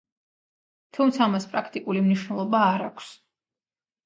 თუმცა ამას პრაქტიკული მნიშვნელობა არ აქვს.